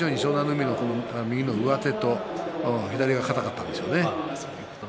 海の右の上手と左が堅かったんでしょうね。